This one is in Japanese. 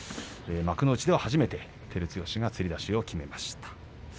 幕内では初めて照強がつり出しを決めました。